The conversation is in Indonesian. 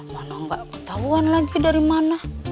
mana nggak ketahuan lagi dari mana